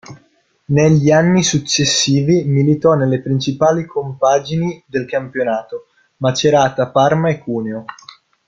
Negli anni successivi militò nelle principali compagini del campionato: Macerata, Parma e Cuneo.